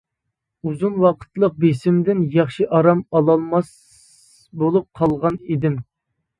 ئۇزۇن ۋاقىتلىق بېسىمدىن ياخشى ئارام ئالالماس بولۇپ قالغان ئىدىم.